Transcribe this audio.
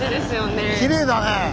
へえきれいだね。